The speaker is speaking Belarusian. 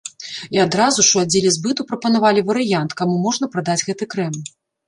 І адразу ж у аддзеле збыту прапанавалі варыянт, каму можна прадаць гэты крэм.